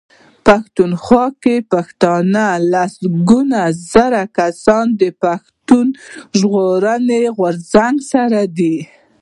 پښتونخوا کې پښتانه لسګونه زره کسان د پښتون ژغورني غورځنګ سره دي.